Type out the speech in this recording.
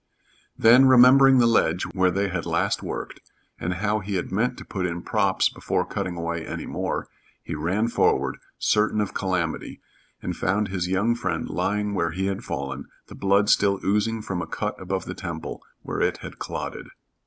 Then, remembering the ledge where they had last worked, and how he had meant to put in props before cutting away any more, he ran forward, certain of calamity, and found his young friend lying where he had fallen, the blood still oozing from a cut above the temple, where it had clotted.